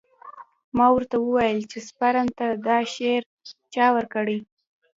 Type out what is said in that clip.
ما ورته وويل چې سپرم ته دا شعور چا ورکړى.